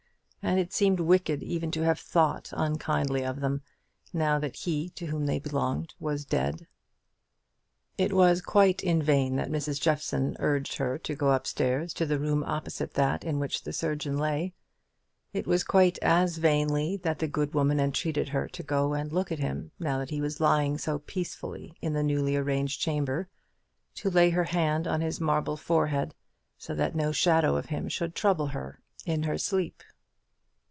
and it seemed wicked even to have thought unkindly of them, now that he to whom they belonged was dead. It was quite in vain that Mrs. Jeffson urged her to go up stairs to the room opposite that in which the surgeon lay; it was quite as vainly that the good woman entreated her to go and look at him, now that he was lying so peacefully in the newly arranged chamber, to lay her hand on his marble forehead, so that no shadow of him should trouble her in her sleep.